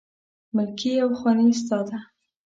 ملکي او خاني ستا ده